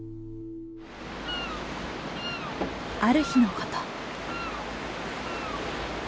ある日のこと。